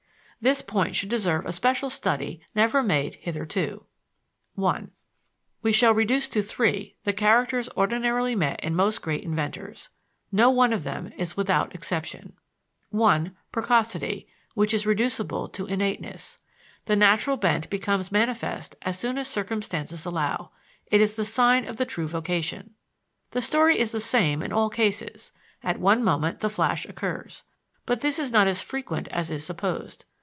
This point should deserve a special study never made hitherto. I We shall reduce to three the characters ordinarily met in most great inventors. No one of them is without exception. 1. Precocity, which is reducible to innateness. The natural bent becomes manifest as soon as circumstances allow it is the sign of the true vocation. The story is the same in all cases: at one moment the flash occurs; but this is not as frequent as is supposed.